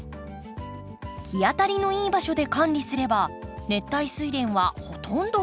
日当たりのいい場所で管理すれば熱帯スイレンはほとんど手間いらず。